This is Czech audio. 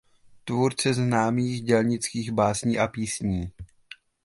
Tvůrce známých dělnických básní a písní.